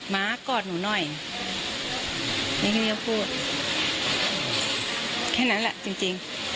มากอดหนูหน่อยนี่พี่ก็พูดแค่นั้นแหละจริง